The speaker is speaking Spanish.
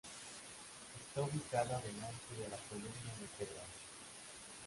Está ubicada delante de la columna vertebral.